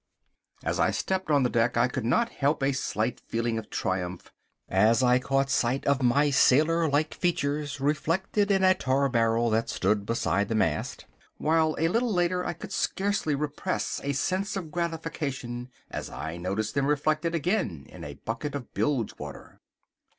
As I stepped on the deck I could not help a slight feeling of triumph, as I caught sight of my sailor like features reflected in a tar barrel that stood beside the mast, while a little later I could scarcely repress a sense of gratification as I noticed them reflected again in a bucket of bilge water.